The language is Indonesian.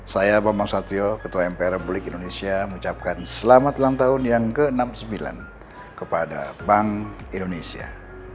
saya bambang susatyo ketua mpr republik indonesia mengucapkan selamat ulang tahun yang ke enam puluh sembilan kepada bank indonesia